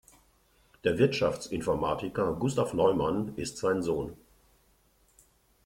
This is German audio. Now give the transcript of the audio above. Der Wirtschaftsinformatiker Gustaf Neumann ist sein Sohn.